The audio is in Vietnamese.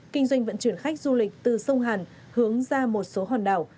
kinh doanh vận chuyển khách du lịch từ sông hàn hướng ra một số hòn đảo